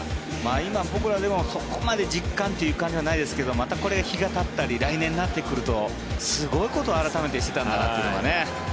今、僕らでもそこまで実感という感じはないですがまたこれ、日がたったり来年になってくるとすごいことを改めてしていたんだというのをね。